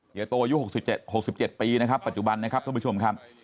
เฮียโตอายุ่หกสิบเจ็ดหกสิบเจ็ดปีนะครับปัจจุบันนะครับท่านผู้ชมครับ